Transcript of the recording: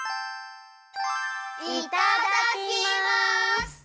いただきます！